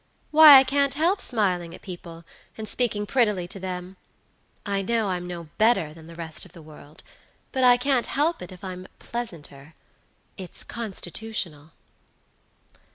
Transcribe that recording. Why, I can't help smiling at people, and speaking prettily to them. I know I'm no better than the rest of the world; but I can't help it if I'm pleasantér. It's constitutional."